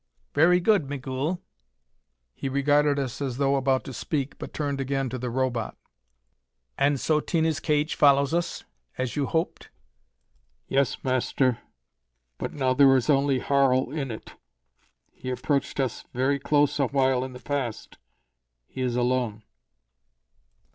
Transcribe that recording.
"Very good, Migul." He regarded us as though about to speak, but turned again to the Robot. "And so Tina's cage follows us as you hoped?" "Yes, Master. But now there is only Harl in it. He approached us very close a while in the past. He is alone."